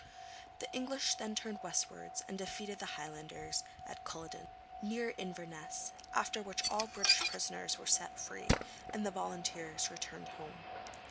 The English then turned westwards and defeated the Highlanders at Culloden, near Inverness, after which all British prisoners were set free, and the volunteers returned home.